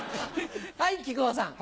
はい木久扇さん。